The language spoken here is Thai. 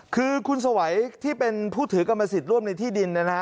คือคุณสวัยที่เป็นผู้ถือกรรมสิทธิ์ร่วมในที่ดินเนี่ยนะฮะ